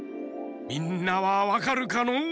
みんなはわかるかのう？